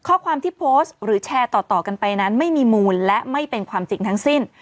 ข้อความที่โพสต์หรือแชร์ต่อกันไปนั้นไม่มีมูลและไม่เป็นความจริงทั้งสิ้น